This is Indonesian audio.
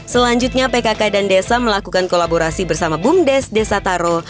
selanjutnya pkk dan desa melakukan kolaborasi bersama bumdes desa taro